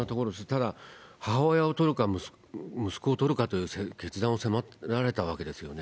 ただ、母親を取るか、息子を取るかという決断を迫られたわけですよね。